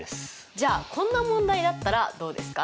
じゃあこんな問題だったらどうですか？